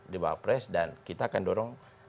di wapres dan kita akan dorong